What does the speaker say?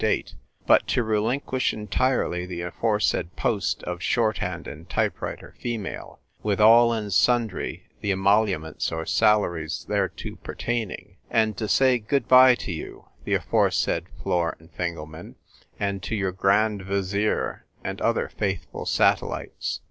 date, but to relinquish entirely the aforesaid post of Shorthand and Type writer (female) with all and sundry the emoluments or salaries thereto pertaining, and to say good bye to you, the aforesaid Flor and Fingelman, and to your Grand Vizier and other faithful satellites.